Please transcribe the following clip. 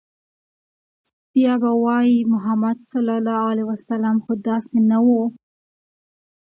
بيا به وايي، محمد ص خو داسې نه و